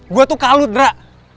gue tuh kalut brah